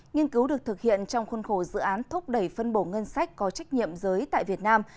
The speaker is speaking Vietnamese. nghiên cứu được thực hiện trong khuôn khổ dự án thúc đẩy phân bổ ngân sách có trách nhiệm giới tại việt nam